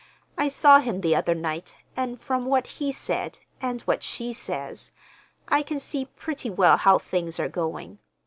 I saw him the other night, and from what he said, and what she says, I can see pretty well how things are going.